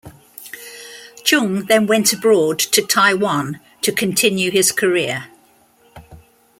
Cheung then went abroad to Taiwan to continue his career.